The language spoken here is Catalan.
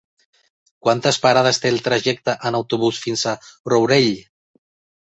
Quantes parades té el trajecte en autobús fins al Rourell?